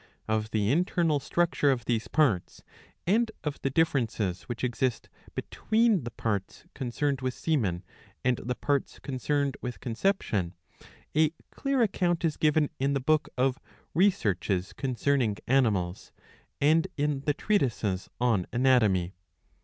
Of'.the internal structure of these parts, and of the differences which exist between the parts concerned with semen and the parts concerned with * conception, a clear account is given in the book of Researches concerning Animals and in the treatises on Anatomy.